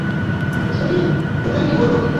শশী কুসুমকে বলিল, মিথ্যে কথাগুলো বলে বেড়ালে কেন বৌ?